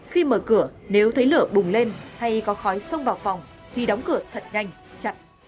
khi mở cửa nếu thấy lửa bùng lên hay có khói xông vào phòng thì đóng cửa thật nhanh chặt